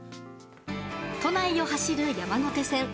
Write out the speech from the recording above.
都内を走る山手線。